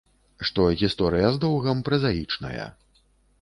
Што гісторыя з доўгам празаічная.